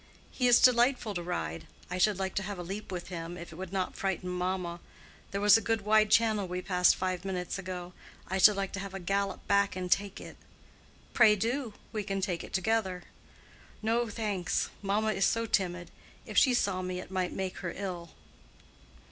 "He is delightful to ride. I should like to have a leap with him, if it would not frighten mamma. There was a good wide channel we passed five minutes ago. I should like to have a gallop back and take it." "Pray do. We can take it together." "No, thanks. Mamma is so timid—if she saw me it might make her ill."